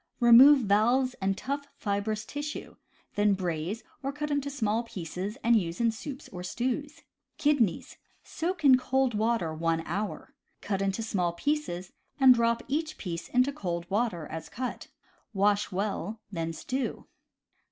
— Remove valves and tough, fibrous tissue; then braise, or cut into small pieces and use in soups or stews. Kidneys. — Soak in cold water one hour. Cut into small pieces, and drop each piece into cold water, as cut. Wash well; then stew.